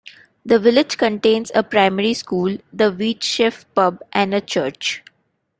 The village contains a primary school, the Wheatsheaf pub and a church.